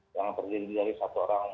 yang terdiri dari satu orang